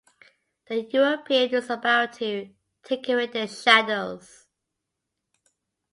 The European was about to take away their shadows.